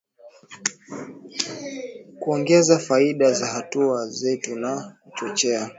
kuongeza faida za hatua zetu na kuchochea